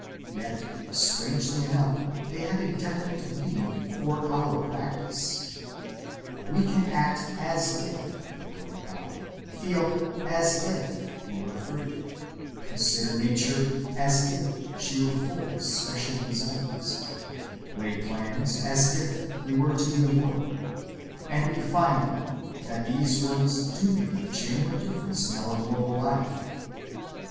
Yet strangely enough they have a definite meaning for our practice. We can act as if there were a God; feel as if we were free; consider Nature as if she were full of special designs; lay plans as if we were to be immortal; and we find then that these words do make a genuine difference in our moral life.